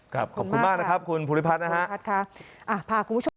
ครับขอบคุณมากนะครับคุณภูริพัฒน์นะครับ